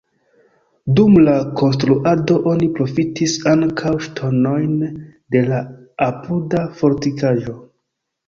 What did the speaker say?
Dum la konstruado oni profitis ankaŭ ŝtonojn de la apuda fortikaĵo.